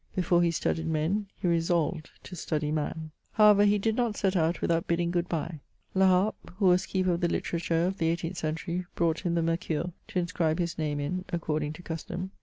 Before he studied men, he resolved to study man. However, he did not set out without bidding good bye. La Harpe, who was keeper of the literature of the eighteenth century, brought him the Mercure to inscribe his name in, according to custom.